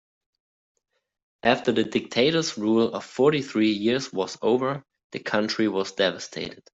After the dictator's rule of fourty three years was over, the country was devastated.